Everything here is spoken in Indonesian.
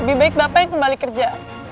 lebih baik bapak yang kembali kerja